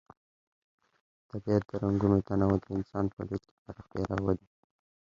د طبیعت د رنګونو تنوع د انسان په لید کې پراختیا راولي.